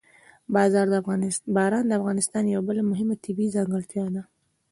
باران د افغانستان یوه بله مهمه طبیعي ځانګړتیا ده.